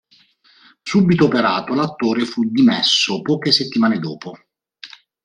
Subito operato, l'attore fu dimesso poche settimane dopo.